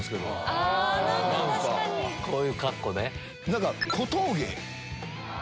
こういう格好ね。